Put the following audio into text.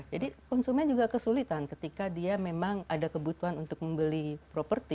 jadi konsumen juga kesulitan ketika dia memang ada kebutuhan untuk membeli properti